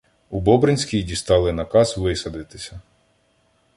У Бобринській дістали наказ висадитися.